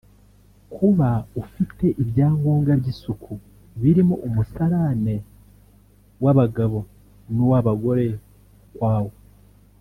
kuba ufite ibyangombwa by’ isuku birimo umusarane w’ abagabo n’ uw’ abagore ukwawo